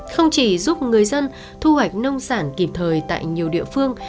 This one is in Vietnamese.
không chỉ giúp người dân thu hoạch nông sản kịp thời tại nhiều địa phương